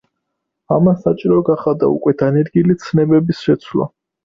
ამან საჭირო გახადა უკვე დანერგილი ცნებების შეცვლა.